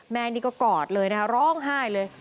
แม่นี่ก็กอดเลยนะคะร้องไห้เลย